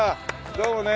どうもね！